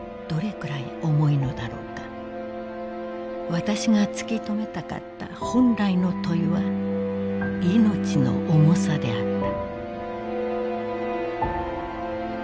「わたしが突きとめたかった本来の問はいのちの重さであった」。